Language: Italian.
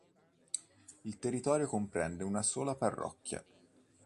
Il territorio comprende una sola parrocchia.